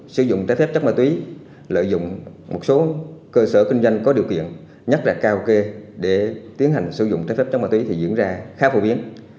sử dụng trái phép chất ma túy lợi dụng một số cơ sở kinh doanh có điều kiện nhất là karaoke để tiến hành sử dụng trái phép chất ma túy thì diễn ra khá phổ biến